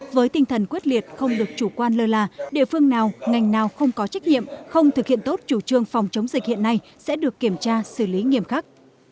với tinh thần quyết liệt không được chủ quan lơ là địa phương nào ngành nào không có trách nhiệm không thực hiện tốt chủ trương phòng chống dịch hiện nay sẽ được kiểm tra xử lý nghiêm khắc